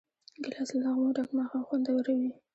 ګیلاس له نغمو ډک ماښام خوندوروي.